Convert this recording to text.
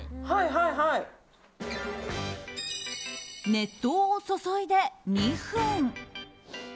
熱湯を注いで２分。